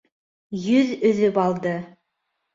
Йөҙ өҙөп алды.